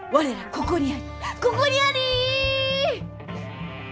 ここにあり！」。